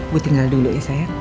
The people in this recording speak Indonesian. bu tinggal dulu ya saya